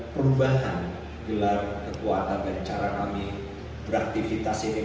perubahan gelar kekuatan dan cara kami beraktivitas ini